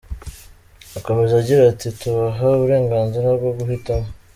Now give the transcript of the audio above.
Akomeza agira ati “Tubaha uburenganzira bwo guhitamo.